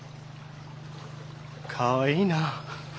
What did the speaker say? かわいいな。